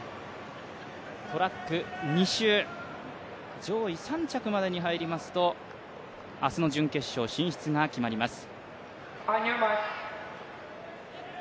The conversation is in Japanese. トラック２周、上位３着までに入りますと明日の準決勝進出が決まります。